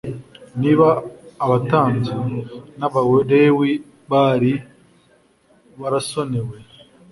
Niba abatambyi n'abalewi bari barasonewe